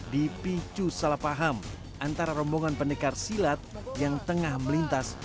dipicu salah paham antara rombongan pendekar silat yang tengah melintas